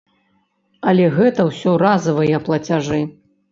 Але гэта ўсё разавыя плацяжы.